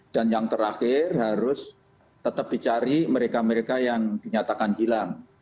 dan yang terakhir harus tetap dicari mereka mereka yang dinyatakan hilang